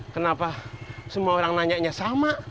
kenapa semua orang nanyanya sama